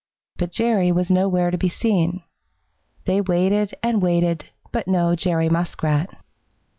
But Jerry was nowhere to be seen. They waited and waited, but no Jerry Muskrat.